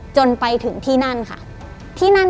จนไปถึงที่นั่นค่ะที่นั่น